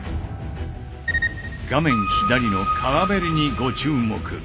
画面左の川べりにご注目。